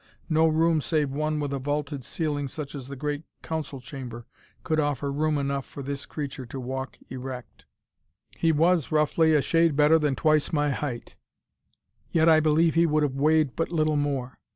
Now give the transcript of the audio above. No room save one with a vaulted ceiling such as the great council chamber, could offer room enough for this creature to walk erect. He was, roughly, a shade better than twice my height, yet I believe he would have weighed but little more.